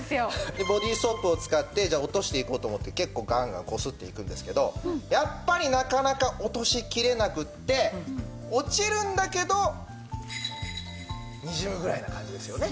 でボディーソープを使って落としていこうと思って結構ガンガンこすっていくんですけどやっぱりなかなか落としきれなくって落ちるんだけどにじむぐらいな感じですよね。